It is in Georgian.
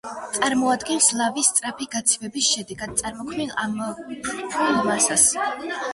წარმოადგენს ლავის სწრაფი გაცივების შედეგად წარმოქმნილ ამორფულ მასას.